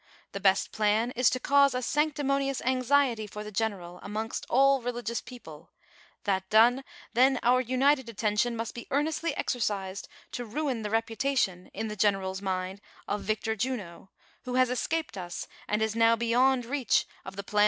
The best plan is to cause a sanctimonious anxiety for the general amongst all religious people ; that done, then our united attention must be earnestly exercised to ruin the reputation, in the general's mind, of Victor Juno, who has escaped us, and is now beyond reach of the i)l:iu THE CONSPIEATORS AND LOVEES.